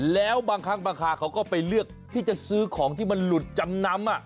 แล้วบางครั้งบางคราเขาก็ไปเลือกที่จะซื้อของที่มันหลุดจำนำ